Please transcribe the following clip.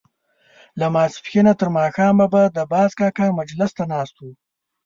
له ماسپښينه تر ماښامه به د باز کاکا مجلس ته ناست وو.